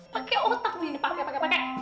pake otak nih pake pake pake